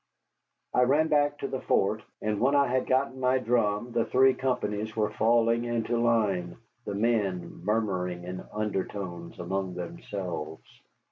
I ran back to the fort, and when I had gotten my drum the three companies were falling into line, the men murmuring in undertones among themselves.